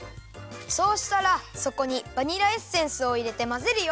そうしたらそこにバニラエッセンスをいれてまぜるよ。